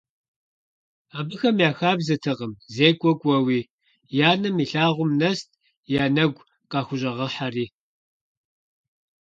Абыхэм я хабзэтэкъым зекӀуэ кӀуэуи, я нэм илъагъум нэст я нэгу къахущӀэгъыхьэри.